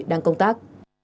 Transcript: đang công tác